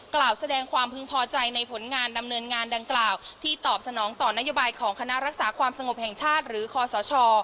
กล่าวแสดงความพึงพอใจในผลงานดำเนินงานดังกล่าวที่ตอบสนองต่อนโยบายของคณะรักษาความสงบแห่งชาติหรือคอสช